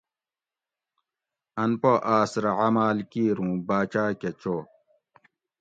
ان پا آس رہ عماۤل کیر اُوں باچاۤ کہ چو